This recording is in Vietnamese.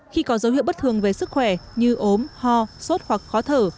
khi có dấu hiệu bất thường về sức khỏe như ốm ho sốt hoặc khó thở